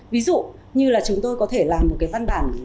ví dụ như là chúng tôi có thể làm một cái văn bản